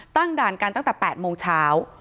ด่านกันตั้งแต่๘โมงเช้า